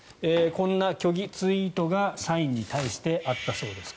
こんな虚偽ツイートが社員に対してあったそうです。